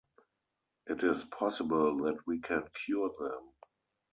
It is possible that we can cure them.